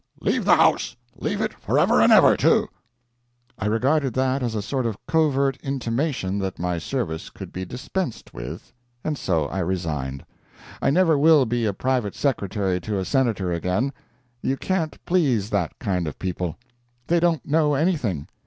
"Leave the house! Leave it forever and forever, too." I regarded that as a sort of covert intimation that my service could be dispensed with, and so I resigned. I never will be a private secretary to a senator again. You can't please that kind of people. They don't know anything.